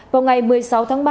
vào ngày một mươi sáu tháng ba